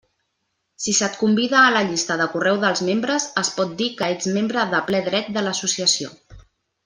Si se't convida a la llista de correu dels membres, es pot dir que ets membre de ple dret de l'associació.